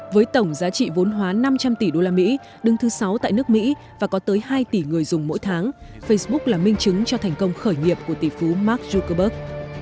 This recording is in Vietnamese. với tổng giá trị vốn hóa năm trăm linh tỷ usd đứng thứ sáu tại nước mỹ và có tới hai tỷ người dùng mỗi tháng facebook là minh chứng cho thành công khởi nghiệp của tỷ phú mark zuckerberg